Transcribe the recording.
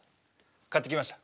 買ってきました。